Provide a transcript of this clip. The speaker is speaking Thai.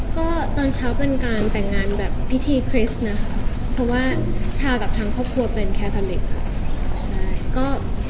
ก็ตอนเช้าเป็นการแต่งงานแบบพิธีคริสต์นะคะเพราะว่าชากับทางครอบครัวเป็นแคพาลิกค่ะ